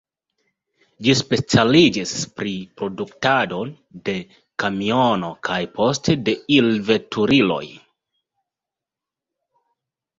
Ĝi specialiĝis pri produktado de kamionoj kaj poste de il-veturiloj.